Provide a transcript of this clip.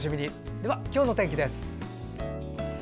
では今日の天気です。